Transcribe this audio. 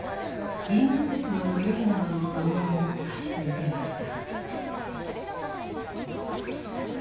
「銀河鉄道の夜」などの童話も書き続けました。